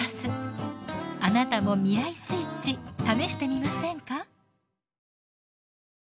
あなたも未来スイッチ試してみませんか？